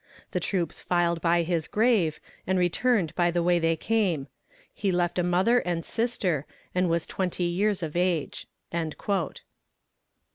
The troops filed by his grave, and returned by the way they came. He left a mother and sister, and was twenty years of age."